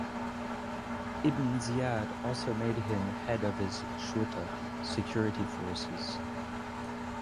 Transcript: Ibn Ziyad also made him head of his "shurta" (security forces).